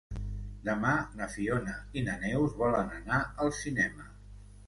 Demà na Fiona i na Neus volen anar al cinema.